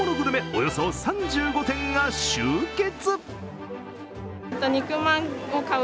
およそ３５店が集結。